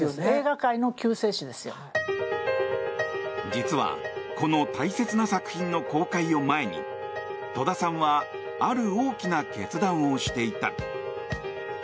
実はこの大切な作品の公開を前に戸田さんはある大きな決断をしていた。